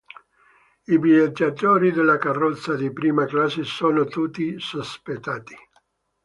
I viaggiatori della carrozza di prima classe sono tutti sospettati.